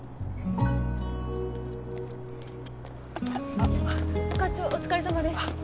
あっ課長お疲れさまです。